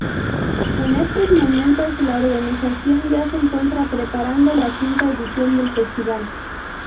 En estos momentos, la organización ya se encuentra preparando la quinta edición del festival.